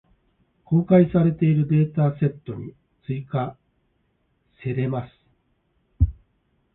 公開されているデータセットに追加せれます。